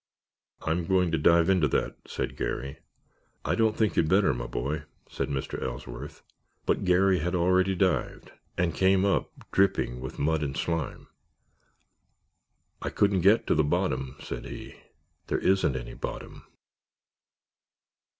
"I'm going to dive into that," said Garry. "I don't think you'd better, my boy," said Mr. Ellsworth. But Garry had already dived and came up dripping with mud and slime. "I couldn't get to the bottom," said he; "there isn't any bottom."